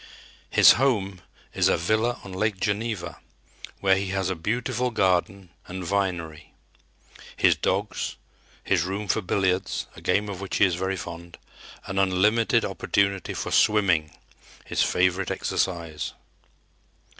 His home is a villa on Lake Geneva, where he has a beautiful garden and vinery, his dogs, his room for billiards, a game of which he is very fond, and unlimited opportunity for swimming, his favorite exercise.